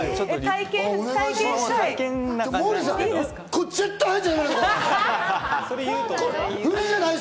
体験したい！